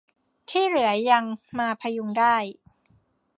ที่เหลือยังมาพยุงได้